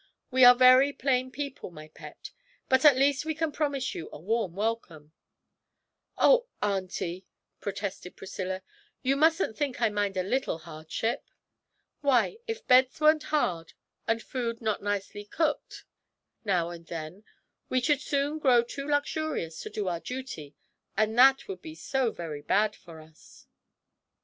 'We are very plain people, my pet; but at least we can promise you a warm welcome.' 'Oh, auntie,' protested Priscilla, 'you mustn't think I mind a little hardship! Why, if beds weren't hard and food not nicely cooked now and then, we should soon grow too luxurious to do our duty, and that would be so very bad for us!'